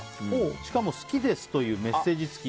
しかも好きですというメッセージ付き。